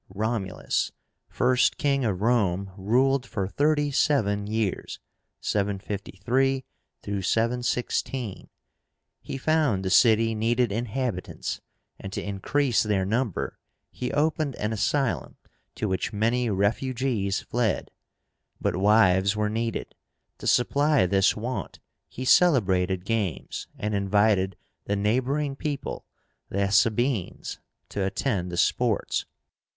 Romulus, first king of Rome, ruled for thirty seven years (753 716). He found the city needed inhabitants, and to increase their number he opened an asylum, to which many refugees fled. But wives were needed. To supply this want, he celebrated games, and invited the neighboring people, the SABINES, to attend the sports.